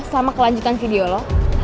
selama kelanjutan video lo